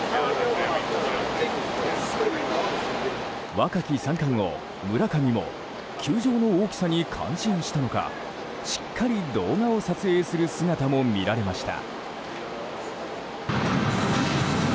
若き三冠王・村上も球場の大きさに感心したのかしっかり動画を撮影する姿も見られました。